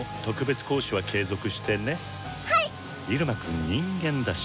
「イルマくん人間だし」。